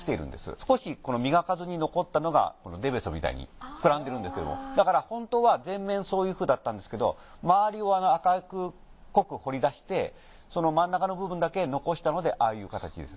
少し磨かずに残ったのが出ベソみたいに膨らんでるんですけどもだから本当は全面そういうふうだったんですけど周りを赤く濃く彫り出してその真ん中の部分だけ残したのでああいう形です。